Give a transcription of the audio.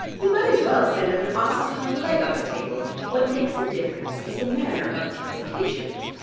You might as well send up an ox's hind leg on the table. What makes the difference is the manner of its presentation.